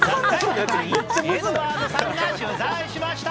特派員、エドワードさんが取材しました。